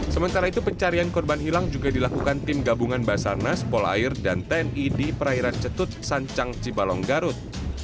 sementara itu pencarian korban hilang juga dilakukan tim gabungan basarnas polair dan tni di perairan cetut sancang cibalong garut